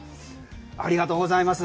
ありがとうございます。